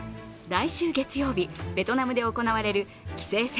来週月曜日、ベトナムで行われる棋聖戦